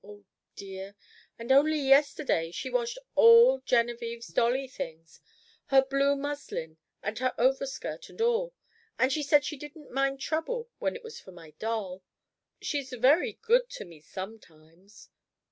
Oh, dear! And only yesterday she washed all Genevieve's dolly things her blue muslin, and her overskirt, and all and she said she didn't mind trouble when it was for my doll. She's very good to me sometimes.